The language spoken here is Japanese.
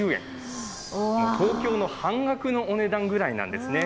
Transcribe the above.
東京の半額のお値段ぐらいなんですね。